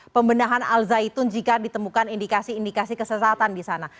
pembenahan azzaitun jika ditemukan indikasi indikasi kesesatan disana